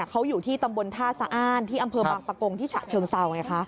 เขาอยู่ที่ตำบลท่าสะอ้านที่อำเภอบางปะกงที่ฉะเชิงเซาไงคะ